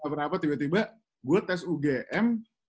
kenapa tiba tiba gue tes ugm